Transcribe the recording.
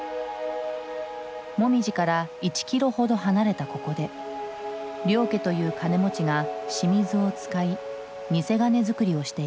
モミジから１キロほど離れたここで領家という金持ちが清水を使い偽金づくりをしていた。